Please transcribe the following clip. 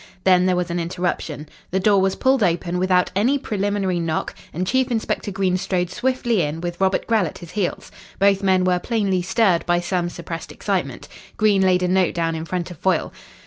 Then there was an interruption. The door was pulled open without any preliminary knock, and Chief Inspector Green strode swiftly in, with Robert Grell at his heels. Both men were plainly stirred by some suppressed excitement. Green laid a note down in front of Foyle.